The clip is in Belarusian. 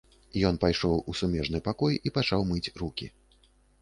Ён пайшоў у сумежны пакой і пачаў мыць рукі.